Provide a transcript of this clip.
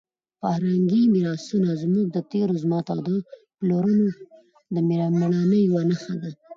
فرهنګي میراثونه زموږ د تېر عظمت او د پلرونو د مېړانې یوه نښه ده.